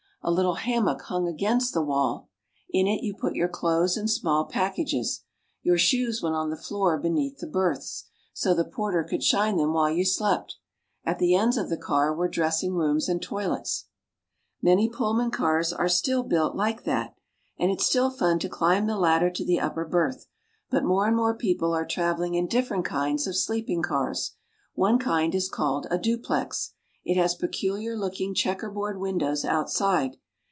A little hammock hung against the wall. In it, you put your clothes and small packages. Your shoes went on the floor beneath the berths, so the porter could shine them while you slept. At the ends of the car were dressing rooms and toilets. Many Pullman cars are still built like that. And it's still fun to climb the ladder to the upper berth. But more and more people are travelling in different kinds of sleeping cars. One kind is called a duplex. It has peculiar looking checkerboard windows outside.